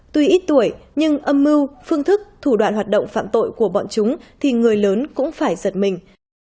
tuy ít tuổi nhưng âm mưu phương thức thủ đoạn hoạt động phạm tội của bọn chúng thì người lớn cũng phải giật mình